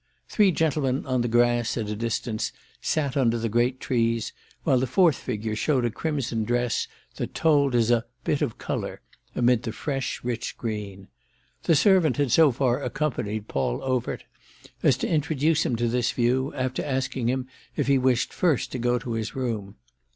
Three gentlemen, on the grass, at a distance, sat under the great trees, while the fourth figure showed a crimson dress that told as a "bit of colour" amid the fresh rich green. The servant had so far accompanied Paul Overt as to introduce him to this view, after asking him if he wished first to go to his room.